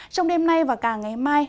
trong đêm nay và cả ngày mai